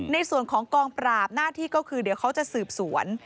ในส่วนของกองปราบหน้าที่ก็คือเดี๋ยวเขาจะสืบสวน